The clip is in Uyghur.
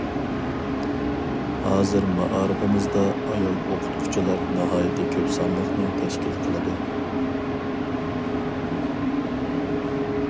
ھازىر مائارىپىمىزدا ئايال ئوقۇتقۇچىلار ناھايىتى كۆپ سانلىقنى تەشكىل قىلىدۇ.